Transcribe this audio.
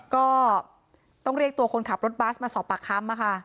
ก็ต้องเรียกตัวคนขับรถบัสมาสอบปากคำ